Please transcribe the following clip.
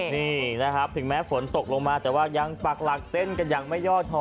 นี่นะครับถึงแม้ฝนตกลงมาแต่ว่ายังปักหลักเส้นกันอย่างไม่ย่อทอ